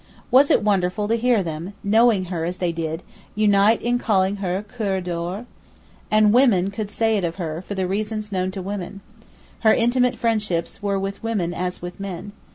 Was it wonderful to hear them, knowing her as they did, unite in calling her cœur d'or? And women could say it of her, for the reasons known to women. Her intimate friendships were with women as with men.